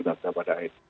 terhadap pada akhirnya